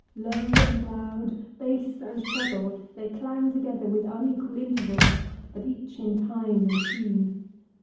Low and loud, base and treble, they clang together with unequal intervals, but each in time and tune.